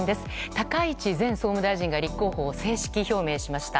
高市前総務大臣が立候補を正式表明しました。